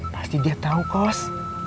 pasti dia tau kos